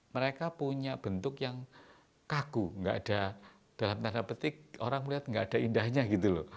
mereka punya bentuk yang kagu nggak ada dalam tanda petik orang melihat nggak ada indahnya gitu loh